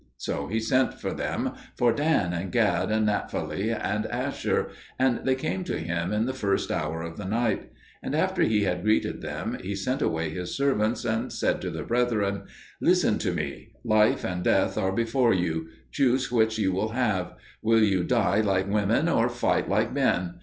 So he sent for them, for Dan and Gad and Naphtali and Asher, and they came to him in the first hour of the night; and after he had greeted them he sent away his servants, and said to the brethren, "Listen to me. Life and death are before you; choose which you will have: will you die like women or fight like men?